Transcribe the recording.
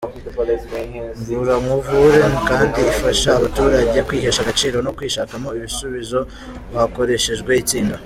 Nvura nkuvure kandi ifasha abaturage kwihesha agaciro no kwishakamo ibisubizo hakoreshejwe itsinda.